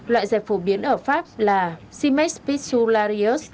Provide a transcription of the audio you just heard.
loại dẹp phổ biến ở pháp là cimex piscularius